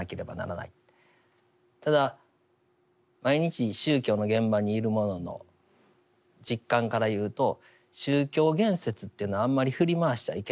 ただ毎日宗教の現場にいる者の実感から言うと宗教言説っていうのはあんまり振り回しちゃいけない。